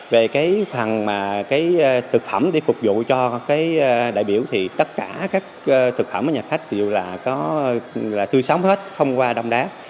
về phần thực phẩm để phục vụ cho đại biểu tất cả các thực phẩm ở nhà khách đều là tư sống hết không qua đông đá